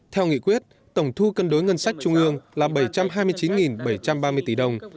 theo nghị quyết tổng thu cân đối ngân sách trung ương là bảy trăm hai mươi chín bảy trăm ba mươi tỷ đồng